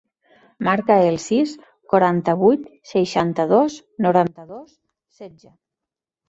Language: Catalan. Marca el sis, quaranta-vuit, seixanta-dos, noranta-dos, setze.